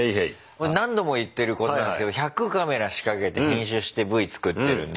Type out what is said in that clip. これ何度も言ってることなんですけど１００カメラ仕掛けて編集してＶ作ってるんで。